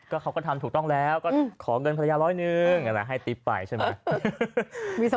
เขาก็ทำถูกต้องแล้วก็ขอเงินภรรยาร้อยหนึ่งให้ติ๊บไปใช่ไหม